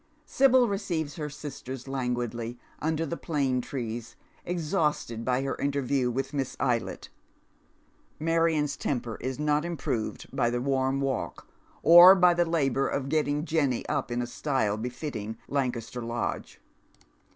Sibyl receives her sisters languidly, under the plane trees, ex hausted by her interview with Miss Eyiett. Marion's temper is not improved by the warm walk, or bj' the labour of getting Jenny np in a style befitting Lancaster Lodge.